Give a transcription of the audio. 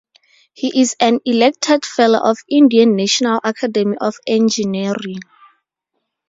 He is an elected fellow of Indian National Academy of Engineering.